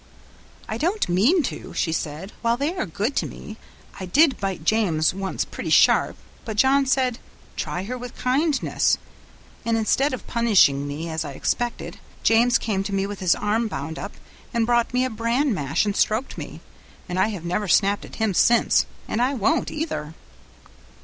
"I don't mean to," she said, "while they are good to me. I did bite James once pretty sharp, but John said, 'Try her with kindness,' and instead of punishing me as I expected, James came to me with his arm bound up, and brought me a bran mash and stroked me; and I have never snapped at him since, and I won't either."